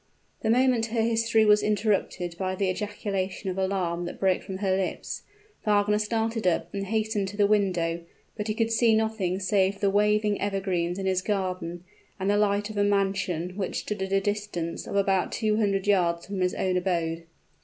The moment her history was interrupted by the ejaculation of alarm that broke from her lips, Wagner started up and hastened to the window; but he could see nothing save the waving evergreens in his garden, and the light of a mansion which stood at a distance of about two hundred yards from his own abode.